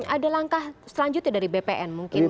ada langkah selanjutnya dari bpn mungkin